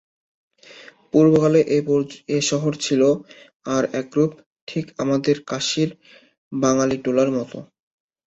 পূর্বকালে এ শহর ছিল আর একরূপ, ঠিক আমাদের কাশীর বাঙালীটোলার মত।